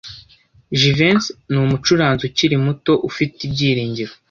Jivency numucuranzi ukiri muto ufite ibyiringiro.